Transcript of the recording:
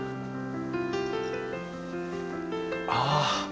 ああ。